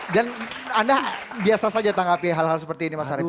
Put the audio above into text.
dan anda biasa saja tanggapi hal hal seperti ini mas arief ya